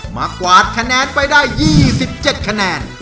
กวาดคะแนนไปได้๒๗คะแนน